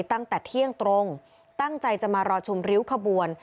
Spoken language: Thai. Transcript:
ตั้งแต่เที่ยงตรงตั้งใจจะมารอชมริ้วขบวน